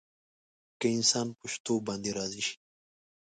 که انسان په شتو باندې راضي شي.